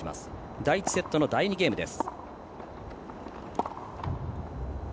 第１セットの第２ゲームです。